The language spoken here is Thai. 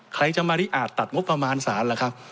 ใครจะมาริอาจตัดงบประมาณสารล่ะครับ